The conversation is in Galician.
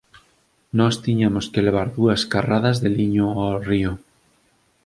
Nós tiñamos que levar dúas carradas de liño ó río.